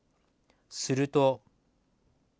すると。